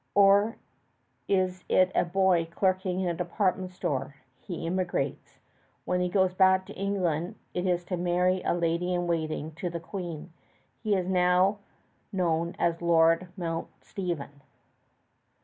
Or it is a boy clerking in a departmental store. He emigrates. When he goes back to England it is to marry a lady in waiting to the Queen. He is now known as Lord Mount Stephen.